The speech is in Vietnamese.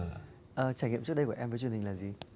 trải nghiệm trước đây của em với truyền hình là gì